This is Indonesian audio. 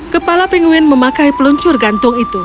kepala penguin memakai peluncur gantung itu